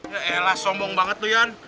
ya elah sombong banget lu yan